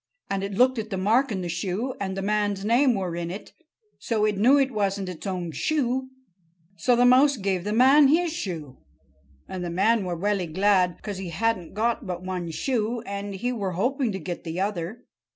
And it looked at the mark in the shoe. And the man's name were in it. So it knew it wasn't its own shoe. So the mouse gave the man his shoe. And the man were welly glad, 'cause he hadn't got but one shoe, and he were hopping to get the other.